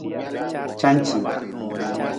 Canci.